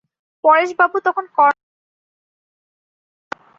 পরেশবাবু তখন কর্ম উপলক্ষে অনুপস্থিত ছিলেন।